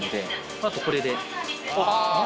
あとこれで。